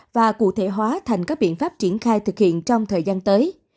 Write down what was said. và cụ thể hóa thành các biện pháp triển khai thực hiện trong thời gian tới